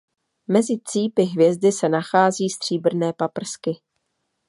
Mezi cípy hvězdy se nachází stříbrné paprsky.